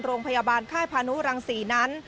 โรงพยาบาลค่ายพานุรังศรีนั้น